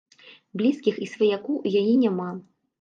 Блізкіх і сваякоў у яе няма.